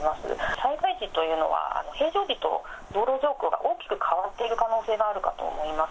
災害時というのは、平常時と道路状況が大きく変わっている可能性があるかと思います。